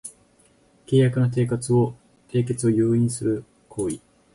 契約の締結を誘引する行為